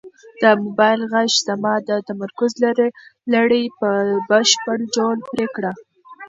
د موبایل غږ زما د تمرکز لړۍ په بشپړ ډول پرې کړه.